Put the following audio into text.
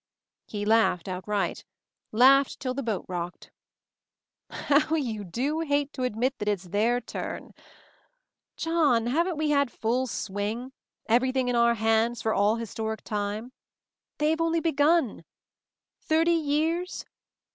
He laughed outright; laughed till the boat rocked, "How you do hate to admit that it's their turn. John ! Haven't we had full swing — everything in our hands — for all historic time? They have only begun. Thirty years?